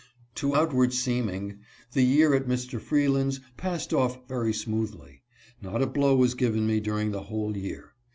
To outward seeming the year at Mr. Freeland's passed off very smoothly. Not a blow was given me during the whole year.